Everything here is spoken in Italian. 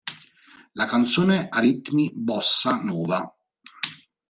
La canzone ha ritmi bossa nova.